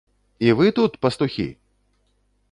І вы тут, пастухі?